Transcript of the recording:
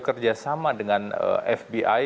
kerjasama dengan fbi